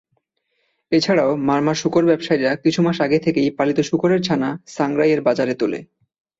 এছাড়াও মারমা শুকর ব্যবসায়ীরা কিছু মাস আগে থেকেই পালিত শুকরের ছানা সাংগ্রাই-এর বাজারে তোলে।